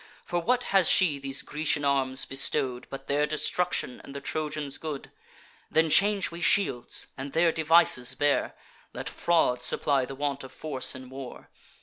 For what has she these Grecian arms bestow'd, But their destruction, and the Trojans' good? Then change we shields, and their devices bear: Let fraud supply the want of force in war.